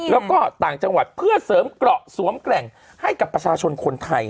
แล้วก็ต่างจังหวัดเพื่อเสริมเกราะสวมแกร่งให้กับประชาชนคนไทย